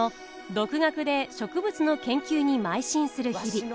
独学で植物の研究にまい進する日々。